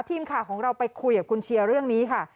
ทีมข่าวของเราไปคุยกับคุณเชียร์เรื่องนี้ค่ะ